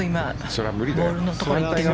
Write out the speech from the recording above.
それは無理だよ